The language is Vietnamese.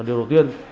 điều đầu tiên